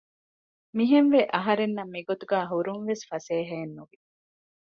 މިހެންވެ އަހަރެންނަށް މިގޮތުގައި ހުރުން ވެސް ފަސޭހައެއް ނުވި